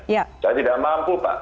saya tidak mampu pak